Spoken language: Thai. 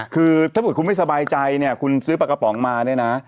คือถ้าเกิดคุณไม่สบายใจเนี่ยคุณซื้อปลากระป๋องมาเนี่ยนะ